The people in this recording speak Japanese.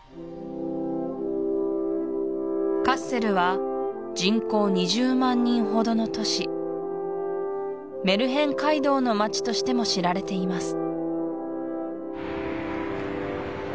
カッセルは人口２０万人ほどの都市メルヘン街道の町としても知られています